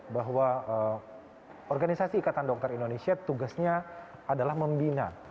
bahwa organisasi ikatan dokter indonesia tugasnya adalah membina